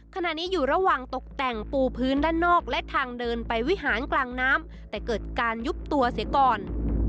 ขณะนี้อยู่ระหว่างตกแต่งปูพื้นด้านนอกและทางเดินไปวิหารกลางน้ำแต่เกิดการยุบตัวเสียก่อน